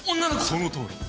そのとおり。